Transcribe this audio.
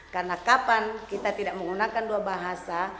karena kapan kita tidak menggunakan dua bahasa